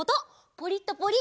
ポリッとポリ！